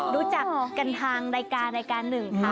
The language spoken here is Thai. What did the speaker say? รู้จักกันทางรายการรายการหนึ่งค่ะ